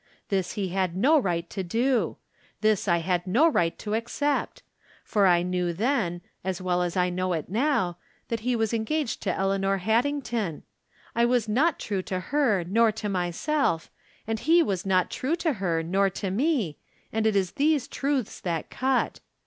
This he had no right to do ; this I had no right to accept ; for I knew then, as well as I know it now, that he was engaged to Eleanor Haddington. I was not true to her nor to myself, and he was not true to her nor to me, and it is these truths that cut.